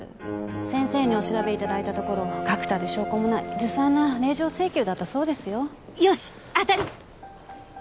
先生にお調べいただいたところ確たる証拠もないずさんな令状請求だったそうですよよし当たり！